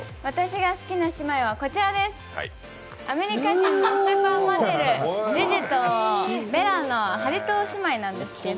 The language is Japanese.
私が好きな姉妹はこちらです。